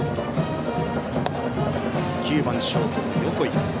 ９番ショートの横井。